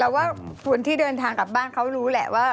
แต่ว่าคนที่เดินทางกลับบ้านเขารู้แหละว่า